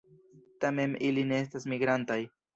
Tamen ili ne estas migrantaj.